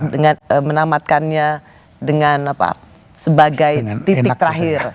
dengan menamatkannya dengan sebagai titik terakhir